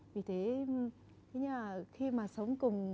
vì thế khi mà sống cùng